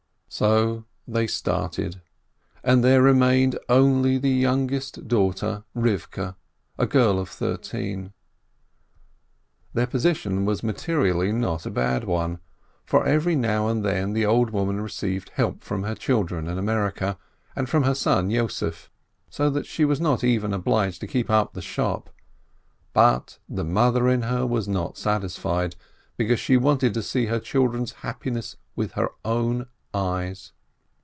So they started, and there remained only the young est daughter, Rivkeh, a girl of thirteen. Their position was materially not a bad one, for every now and then the old woman received help from her children in America and from her son Yossef, so that she was not even obliged to keep up the shop, but the mother in her was not satisfied, because she wanted to see her chil dren's happiness with her own eyes.